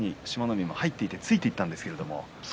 海は頭に入れていてついていったんですが。